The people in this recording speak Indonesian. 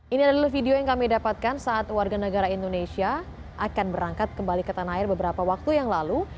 ini adalah video yang kami dapatkan saat warga negara indonesia akan berangkat kembali ke tanah air beberapa waktu yang lalu